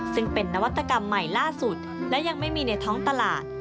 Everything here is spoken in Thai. ซึ่งเป็นนวัตกรรมใหม่ล่าสุดและยังไม่มีในท้องตลาด